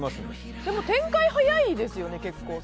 展開早いですよね、結構。